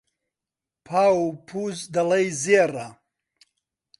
پاو و پووز، دەڵێی زێڕە